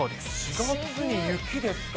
４月に雪ですか？